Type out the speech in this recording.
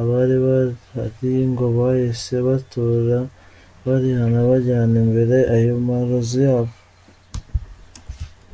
Abari bahari ngo bahise batura barihana bajyana imbere ayo marozi yabo.